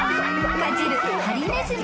［かじるハリネズミ］